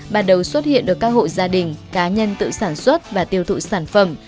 bắt đầu xuất hiện ở các hộ gia đình cá nhân tự sản xuất và tiêu thụ sản phẩm